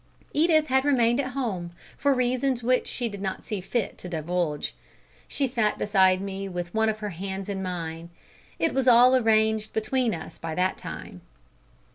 Edith had remained at home, for reasons which she did not see fit to divulge. She sat beside me with one of her hands in mine. It was all arranged between us by that time.